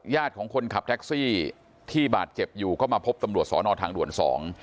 ของคนขับแท็กซี่ที่บาดเจ็บอยู่ก็มาพบตำรวจสอนอทางด่วนสอง